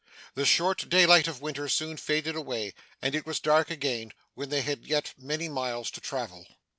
The short daylight of winter soon faded away, and it was dark again when they had yet many miles to travel.